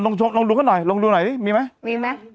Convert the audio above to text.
ลงดูมาหน่อยลงดูหน่อยสิมีไหม